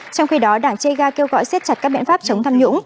trong khi đó đảng che ga kêu gọi xét chặt các biện pháp chống tham nhũng